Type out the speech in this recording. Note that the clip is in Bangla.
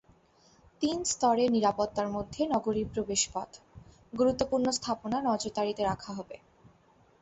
তিন স্তরের নিরাপত্তার মধ্যে নগরীর প্রবেশপথ, গুরুত্বপূর্ণ স্থাপনা নজরদারিতে রাখা হবে।